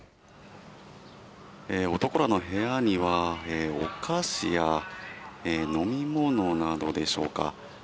男らの部屋には、お菓子や飲み物などでしょうか。